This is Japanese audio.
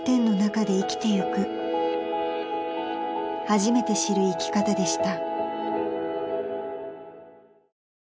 ［初めて知る生き方でした］